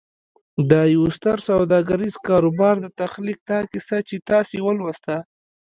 د يوه ستر سوداګريز کاروبار د تخليق دا کيسه چې تاسې ولوسته.